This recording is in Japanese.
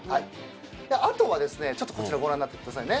あとはちょっとこちらご覧になってくださいね。